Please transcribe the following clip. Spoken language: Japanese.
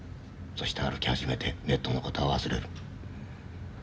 そして歩き始めてネットのことは忘れる。